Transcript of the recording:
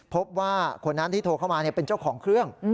พบว่าคนนั้นที่โทรเข้ามาเป็นเจ้าของเครื่อง